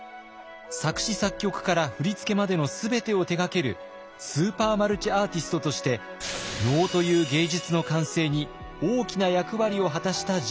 作詞作曲から振り付けまでの全てを手がけるスーパー・マルチ・アーティストとして能という芸術の完成に大きな役割を果たした人物。